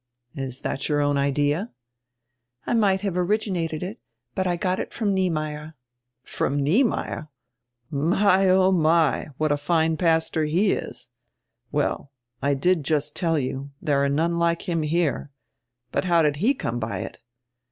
"Is that your own idea?" "I might have originated it, hut I got it from Niemeyer." "From Niemeyer! My, oh my, what a fine pastor he is! Well, I just tell you, there are none like him here. But how did he come by it?